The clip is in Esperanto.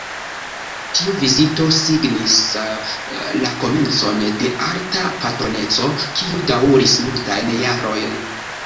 Tiu vizito signis la komencon de arta patroneco, kiu daŭris multajn jarojn.